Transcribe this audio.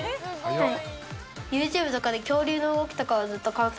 はい。